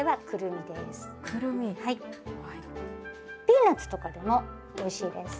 ピーナツとかでもおいしいです。